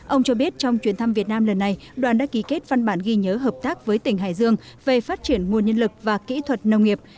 ông cho biết trong chuyến thăm việt nam lần này đoàn đã ký kết văn bản ghi nhớ hợp tác với tỉnh hải dương về phát triển nguồn nhân lực và kỹ thuật nông nghiệp